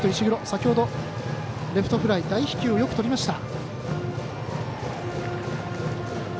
先ほどレフトフライ大飛球をよくとりました。